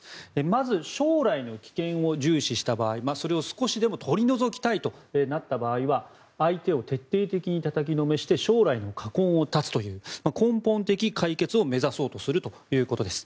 まず将来の危険を重視した場合それを少しでも取り除きたいとなった場合は相手を徹底的にたたきのめして将来の禍根を断つという根本的解決を目指そうとするということです。